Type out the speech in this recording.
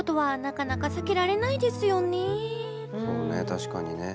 確かにね。